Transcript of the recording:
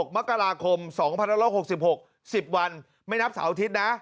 ๖มกราคม๒๑๖๖๑๐วันไม่นับเสาร์อาทิตย์นะ